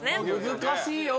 難しいよ